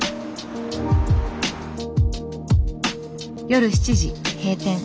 夜７時閉店。